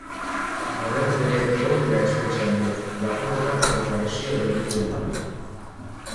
Aurretik ere egon dira espetxean biak, lapurreta edota lesio delituengatik.